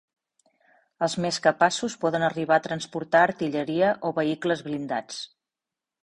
Els més capaços poden arribar a transportar artilleria o vehicles blindats.